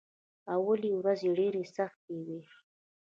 اولې ورځې ډېرې سختې وې.